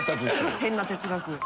変な哲学。